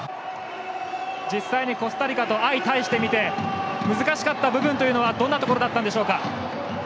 実際にコスタリカと相対してみて難しかった部分というのはどんなところだったんでしょうか。